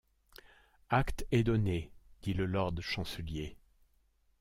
Acte est donné, dit le lord-chancelier.